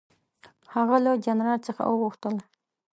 هغه له جنرال څخه وغوښتل.